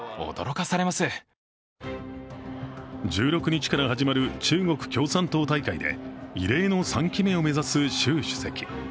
１６日から始まる中国共産党大会で異例の３期目を目指す習主席。